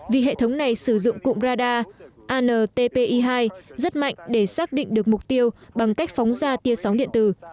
vì hệ thống này sử dụng cụm radar antpi hai rất mạnh để xác định được mục tiêu bằng cách phóng ra tia sóng điện tử